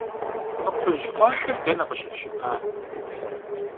Mı kxhuj xhuaxer dene khışıfşıpar?